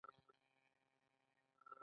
پنیر پروټین لري